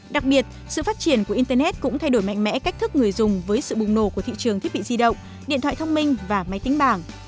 đặc biệt sự phát triển của internet cũng thay đổi mạnh mẽ cách thức người dùng với sự bùng nổ của thị trường thiết bị di động điện thoại thông minh và máy tính bảng